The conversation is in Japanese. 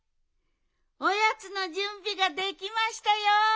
おやつのじゅんびができましたよ。